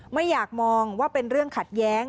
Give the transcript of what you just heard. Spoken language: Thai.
ไม่อยากมองว่าเป็นเรื่องขัดแย้ง